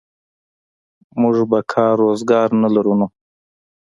موږ به کار روزګار نه لرو نو.